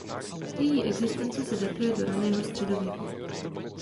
Její existence se datuje do raného středověku.